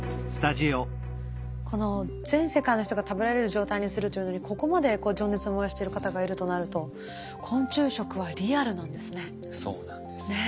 この全世界の人が食べられる状態にするというのにここまで情熱を燃やしてる方がいるとなるとそうなんです。